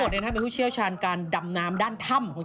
แล้วเบียนบอกป่ะเดี๋ยวเค้าจะถ่ายรูป